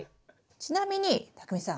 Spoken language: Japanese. ちなみにたくみさん。